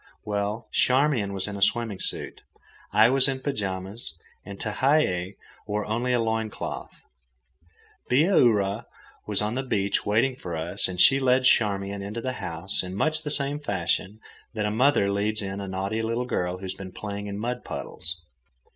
Well, Charmian was in a swimming suit, I was in pyjamas, and Tehei wore only a loin cloth. Bihaura was on the beach waiting for us, and she led Charmian into the house in much the same fashion that the mother leads in the naughty little girl who has been playing in mud puddles.